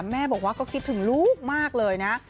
แม่บอกว่าก็คิดถึงลูกมากเลยนะ